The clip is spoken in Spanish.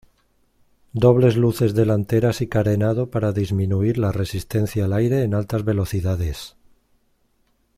Dobles luces delanteras y carenado para disminuir la resistencia al aire en altas velocidades.